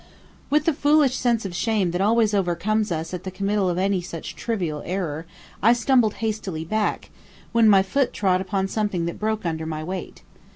With the foolish sense of shame that always overcomes us at the committal of any such trivial error, I stumbled hastily back, when my foot trod upon something that broke under my weight.